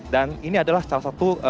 dan ini adalah salah satu